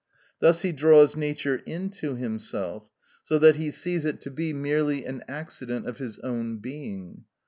Thus he draws nature into himself, so that he sees it to be merely an accident of his own being.